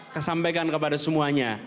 kesampaikan kepada semuanya